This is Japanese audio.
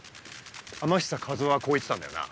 天久一魚はこう言ってたんだよな？